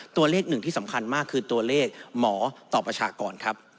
ตัวเลขหนึ่งที่สำคัญมากคือตัวเลขหมอต่อประชากรครับ